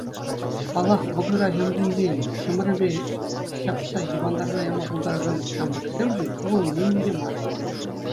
Паллах, вӑкӑра ҫамкинчен чӑмӑрӗпе ҫапса йӑвантарса яма пултаракан ҫамрӑксемшӗн ку вӑл нимӗн те мар.